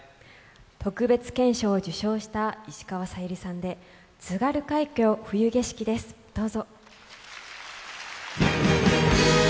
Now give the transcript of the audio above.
特別顕彰を受賞した石川さゆりさんで「津軽海峡・冬景色」です、どうぞ。